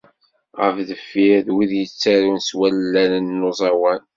Ɣer deffir, d wid yetturaren s wallalen n uẓawan.